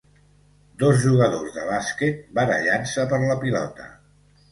Dos jugadors de bàsquet barallant-se per la pilota.